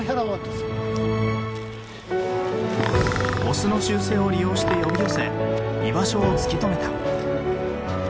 雄の習性を利用して呼び寄せ居場所を突き止めた。